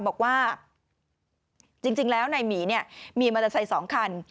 บอกว่าจริงแล้วนายหมีเนี่ยมีมอเตอร์ไซค์๒คัน